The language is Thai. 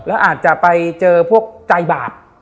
แล้วอาจจะไปเจอพวกใจบาป